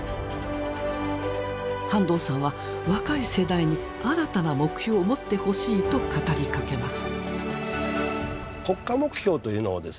半藤さんは若い世代に新たな目標を持ってほしいと語りかけます。